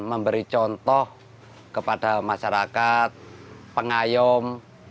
memberi contoh kepada masyarakat pengayom